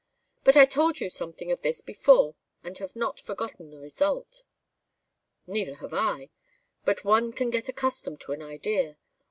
But I told you something of this before and have not forgotten the result." "Neither have I, but one can get accustomed to any idea.